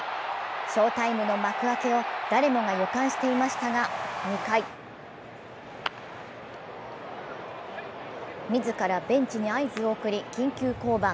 翔タイムの幕開けを誰もが予感していましたが２回自らベンチに合図を送り緊急降板。